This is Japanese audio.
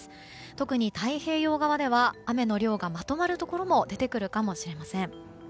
特に太平洋側では雨の量がまとまるところも出てくるかもしれません。